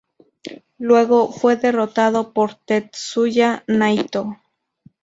Luego, fue derrotado por Tetsuya Naito.